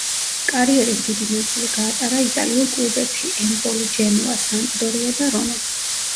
კარიერის დიდი ნაწილი გაატარა იტალიურ კლუბებში, ემპოლი, ჯენოა, სამპდორია და რომა.